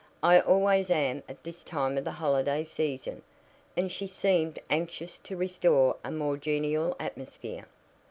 "I always am at this time of the holiday season," and she seemed anxious to restore a more genial atmosphere.